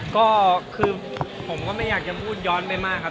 ก็คือผมก็ไม่อยากจะพูดย้อนไปมากครับ